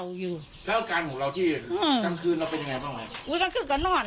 กลางคั่งกลางคืนแล้วก็บอกว่านี้เราก็นอน